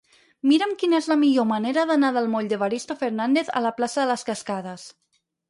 Mira'm quina és la millor manera d'anar del moll d'Evaristo Fernández a la plaça de les Cascades.